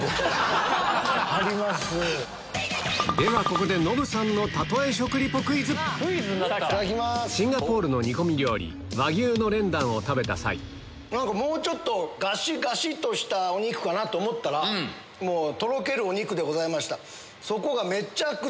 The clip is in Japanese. ではここでシンガポールの煮込み料理和牛のレンダンを食べた際もっとガシガシとしたお肉かなと思ったらとろけるお肉でございました。